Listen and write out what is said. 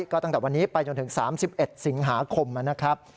ก็ตั้งแต่วันนี้ไปจนถึง๓๑สิงหาคมนะครับ